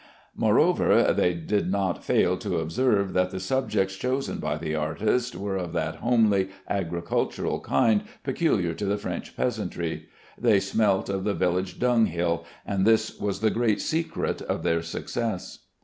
Moreover, they did not fail to observe that the subjects chosen by the artist were of that homely, agricultural kind peculiar to the French peasantry. They smelt of the village dunghill, and this was the great secret of their success.